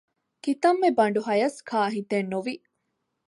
ކިތަންމެ ބަނޑުހަޔަސް ކާހިތެއް ނުވި